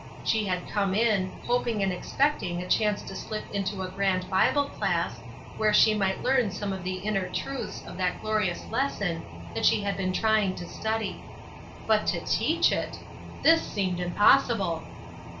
She had come in, hoping and expecting a chance to slip into a grand Bible class, where she might learn some of the inner truths of that glorious lesson that she had been trying to study. But to teach it! This seemed impossible.